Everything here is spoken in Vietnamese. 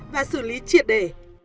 và xử lý triệt để